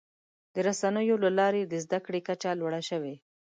د رسنیو له لارې د زدهکړې کچه لوړه شوې.